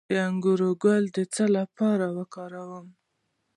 د انګور ګل د څه لپاره وکاروم؟